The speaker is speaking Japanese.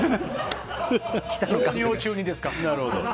放尿中にですか。